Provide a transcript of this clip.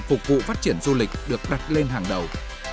phục vụ phát triển du lịch được đặt lên hàng đầu